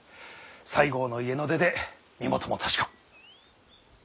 西郷の家の出で身元も確か。